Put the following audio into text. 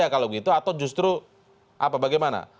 kalau gitu atau justru apa bagaimana